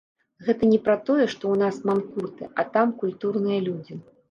Гэта не пра тое, што ў нас манкурты, а там культурныя людзі.